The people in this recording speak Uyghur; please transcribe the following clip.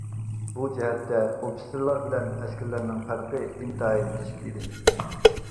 بۇ جەھەتتە ئوفىتسېرلار بىلەن ئەسكەرلەرنىڭ پەرقى ئىنتايىن كىچىك ئىدى.